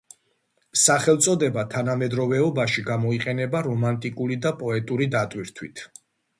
სახელწოდება თანამედროვეობაში გამოიყენება რომანტიკული და პოეტური დატვირთვით.